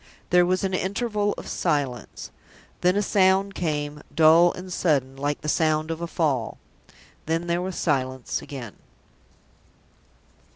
There was an interval of silence. Then a sound came dull and sudden, like the sound of a fall. Then there was silence again.